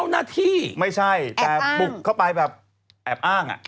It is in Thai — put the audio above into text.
นักแสดง